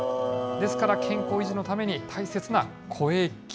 ですから、健康維持のために大切な声筋。